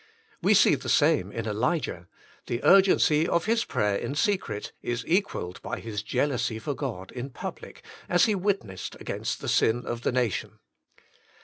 We see the same in Elijah — ^the urgency of his prayer in secret is equalled by his jealousy for God in public, as he witnessed against the sin of the nation.